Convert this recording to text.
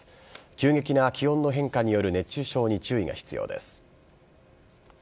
急激な気温の変化による熱中症に注意が必要です。